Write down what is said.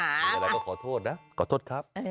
เดี๋ยวแล้วก็ขอโทษนะขอโทษครับ